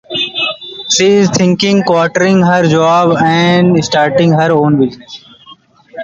She is thinking of quitting her job and starting her own business.